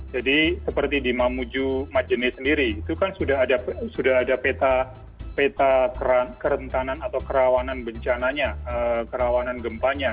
jadi seperti di mamuju majene sendiri itu kan sudah ada peta kerentanan atau kerawanan bencananya kerawanan gempanya